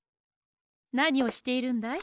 なにをしているんだい？